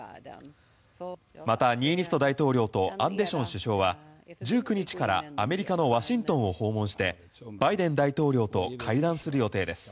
また、ニーニスト大統領とアンデション首相は１９日からアメリカのワシントンを訪問してバイデン大統領と会談する予定です。